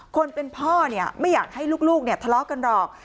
คนเป็นพ่อเนี่ยไม่อยากให้ลูกเนี่ยทะเลาะกันหรอก